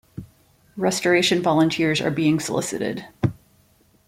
Restoration volunteers are being solicited.